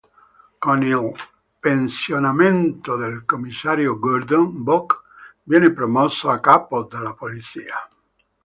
Con il pensionamento del commissario Gordon, Bock viene promosso a capo della polizia.